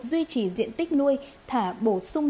duy trì diện tích nuôi thả bổ sung